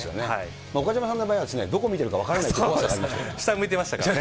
岡島さんの場合は、どこ見てるか分からないという怖さがあり下向いてましたからね。